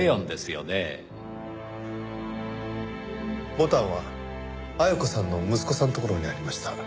ボタンは絢子さんの息子さんの所にありました。